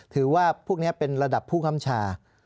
ถือว่าพวกนี้เป็นระดับผู้ค่ำชา